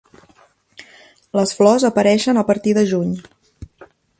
Les flors apareixen a partir de juny.